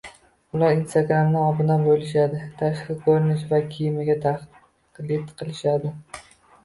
Ular Instagramda obuna bo'lishadi, tashqi ko'rinishi va kiyimiga taqlid qilishadi